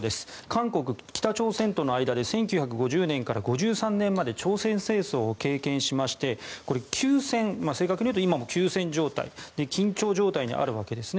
韓国、北朝鮮との間で１９５０年から５３年まで朝鮮戦争を経験しまして正確に言うと今も休戦状態緊張状態にあるわけです。